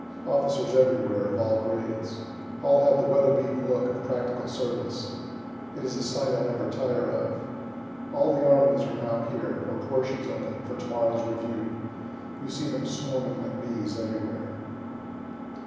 Officers everywhere, of all grades. All have the weatherbeaten look of practical service. It is a sight I never tire of. All the armies are now here (or portions of them,) for to morrow's review. You see them swarming like bees everywhere.